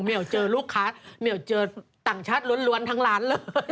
ไม่เอาเจอลูกค้าไม่เอาเจอต่างชาติล้วนทั้งหลานเลย